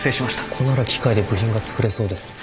ここなら機械で部品が作れそう